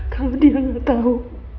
kalau dia gak tahu